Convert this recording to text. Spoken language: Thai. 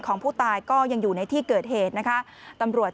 ของผู้ตายก็ยังอยู่ในที่เกิดเหตุนะคะตำรวจ